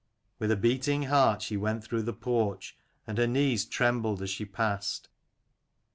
With a beating heart she went through the porch, and her knees trembled as she passed.